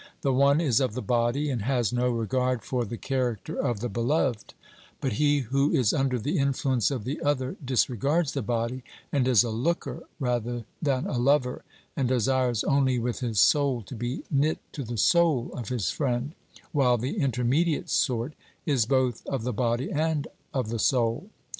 The one is of the body, and has no regard for the character of the beloved; but he who is under the influence of the other disregards the body, and is a looker rather than a lover, and desires only with his soul to be knit to the soul of his friend; while the intermediate sort is both of the body and of the soul.